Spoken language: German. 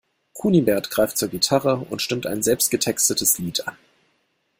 Kunibert greift zur Gitarre und stimmt ein selbst getextetes Lied an.